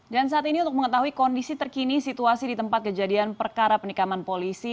dan saat ini untuk mengetahui kondisi terkini situasi di tempat kejadian perkara penikaman polisi